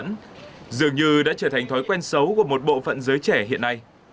tình trạng mua bán dường như đã trở thành thói quen xấu của một bộ phận giới trẻ hiện nay